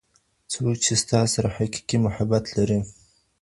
څوک چي ستا سره حقيقي محبت لري.